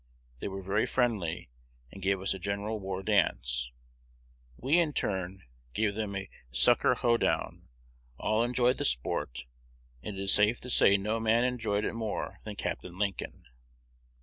They were very friendly, and gave us a general war dance. We, in return, gave them a Sucker ho down. All enjoyed the sport, and it is safe to say no man enjoyed it more than Capt. Lincoln."